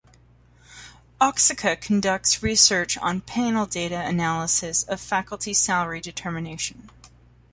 Oaxaca conducts research on panel data analysis of faculty salary determination.